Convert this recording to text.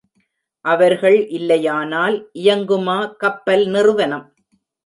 அவர்கள் இல்லையானால் இயங்குமா கப்பல் நிறுவனம்?